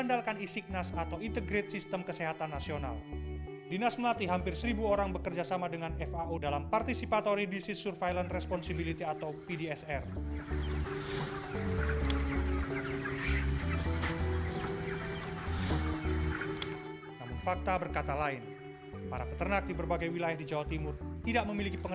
harus bersih disemprot dengan desinfektan